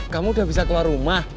kamu udah bisa keluar rumah